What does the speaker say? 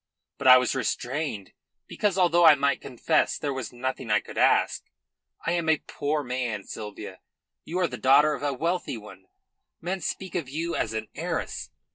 But I was restrained because, although I might confess, there was nothing I could ask. I am a poor man, Sylvia, you are the daughter of a wealthy one; men speak of you as an heiress.